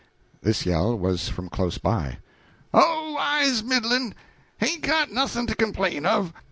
This yell was from close by. "Oh, I's middlin'; hain't got noth'n' to complain of.